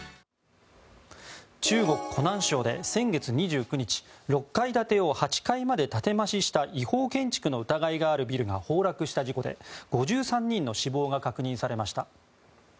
中国・湖南省で先月２９日６階建てを８階まで建て増しした違法建築の疑いがあるビルが崩落した事故で５３人の死亡が確認されました。